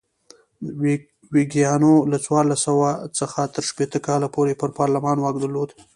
ویګیانو له څوارلس سوه څخه تر شپېته کاله پورې پر پارلمان واک درلود.